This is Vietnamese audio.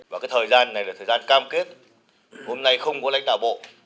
và cái thời gian này là thời gian cam kết hôm nay không có lãnh đạo bộ